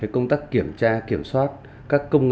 công tác kiểm tra kiểm soát các công nghệ